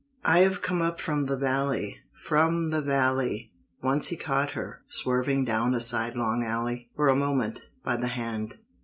"I have come up from the valley, From the valley!" Once he caught her, Swerving down a sidelong alley, For a moment, by the hand.